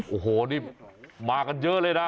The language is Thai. โอ้โหนี่มากันเยอะเลยนะ